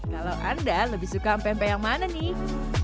kalau anda lebih suka pempek yang mana nih